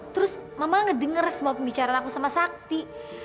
terus mama ngedenger semua pembicaraan aku sama sakti